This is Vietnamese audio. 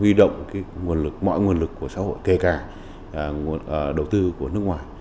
huy động mọi nguồn lực của xã hội kể cả đầu tư của nước ngoài